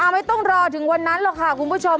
ไม่ต้องรอถึงวันนั้นหรอกค่ะคุณผู้ชม